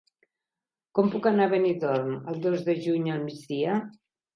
Com puc anar a Benidorm el dos de juny al migdia?